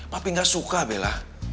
papi gak suka bella